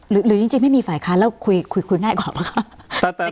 หรือหรือยังยังไม่มีฝ่ายค้าแล้วคุยง่ายกว่ากว่าหรือคะ